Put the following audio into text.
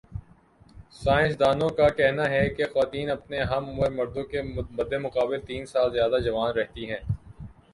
science دانوں کا کہنا ہے کہ خواتین اپنے ہم عمر مردوں کے مدمقابل تین سال زیادہ جوان رہتی ہے